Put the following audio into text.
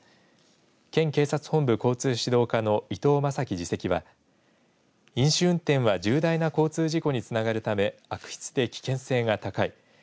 県警察本部交通指導課の伊藤政貴次席は飲酒運転は重大な交通事故につながるため悪質で危険性が高い。